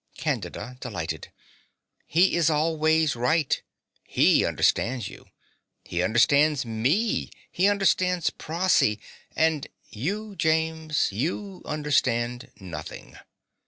CANDIDA (delighted). He is always right. He understands you; he understands me; he understands Prossy; and you, James you understand nothing.